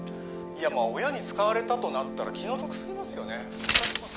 いやもう親に使われたとなったら気の毒すぎますよね